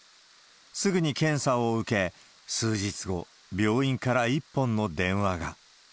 すぐに検査を受け、数日後、病院から一本の電話が。